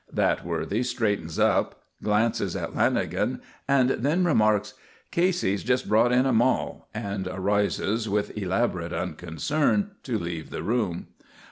That worthy straightens up, glances at Lanagan, and then remarks: "Casey has just brought in a moll," and arises, with elaborate unconcern, to leave the room.